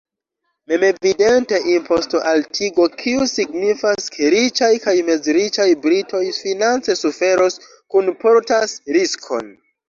Memevidente imposto-altigo, kiu signifas, ke riĉaj kaj mezriĉaj britoj finance suferos, kunportas riskon.